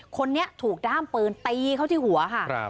คนนี้ถูกด้ามปืนตีเขาที่หัวค่ะ